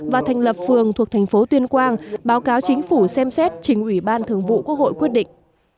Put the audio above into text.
và thành lập phường thuộc thành phố tuyên quang báo cáo chính phủ xem xét trình ủy ban thường vụ quốc hội quyết định